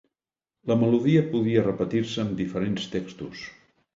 La melodia podia repetir-se amb diferents textos.